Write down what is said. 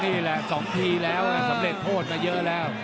นี่แหละ๒ทีแล้วสำเร็จโทษมาเยอะแล้ว